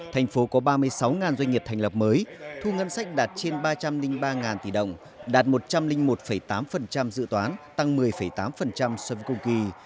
thành phố có ba mươi sáu doanh nghiệp thành lập mới thu ngân sách đạt trên ba trăm linh ba tỷ đồng đạt một trăm linh một tám dự toán tăng một mươi tám so với cùng kỳ